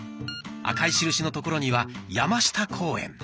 赤い印の所には「山下公園」。